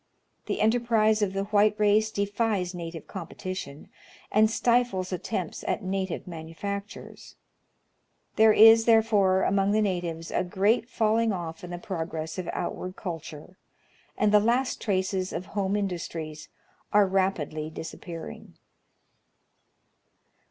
The enterprise of the white race defies native competition, and stifles attempts at native manufactures : there is therefore among the natives a great falling oif in the progress of outward culture, and the last traces of home industries are rapidly disappearing.